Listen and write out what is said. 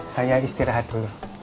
saya istirahat dulu